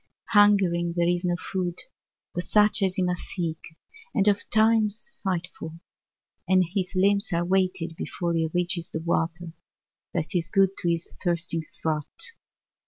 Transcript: Hungering there is no food but such as he must seek and ofttimes fight for; and his limbs are weighted before he reaches the water that is good to his thirsting throat.